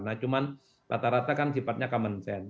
nah cuman rata rata kan sifatnya common sense